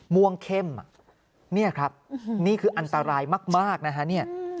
ม่วงเข้มเนี่ยครับนี่คืออันตรายมากนะฮะเนี่ย